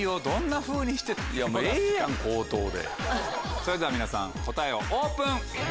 それでは皆さん答えをオープン！